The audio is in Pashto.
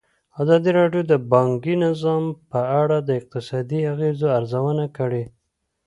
ازادي راډیو د بانکي نظام په اړه د اقتصادي اغېزو ارزونه کړې.